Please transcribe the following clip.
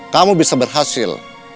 kamu bisa berhasil